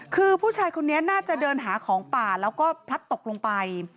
คือผู้ชายคนนี้น่าจะเดินหาของป่าแล้วก็พลัดตกลงไป